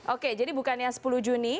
oke jadi bukannya sepuluh juni